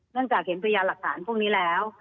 จากเห็นพยานหลักฐานพวกนี้แล้ว